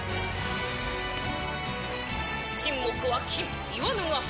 沈黙は金言わぬが花。